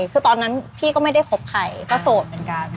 คือตอนนั้นพี่ก็ไม่ได้คบใครก็โสดเหมือนกัน